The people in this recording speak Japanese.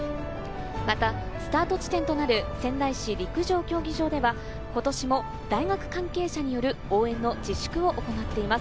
またスタート地点となる仙台市陸上競技場では今年も大学関係者による応援の自粛を行っています。